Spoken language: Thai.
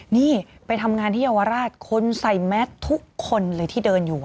นี่ไปทำงานที่เยาวราชคนใส่แมสทุกคนเลยที่เดินอยู่